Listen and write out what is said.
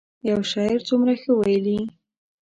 یو شاعر څومره ښه ویلي.